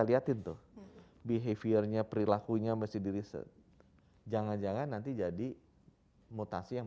perlihatin tuh behaviornya perilakunya masih di research jangan jangan nanti jadi mutasi yang